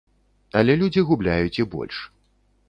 Але людзі губляюць і больш.